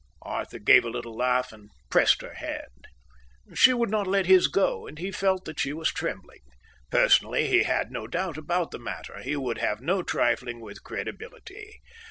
Arthur gave a little laugh and pressed her hand. She would not let his go, and he felt that she was trembling. Personally, he had no doubt about the matter. He would have no trifling with credibility.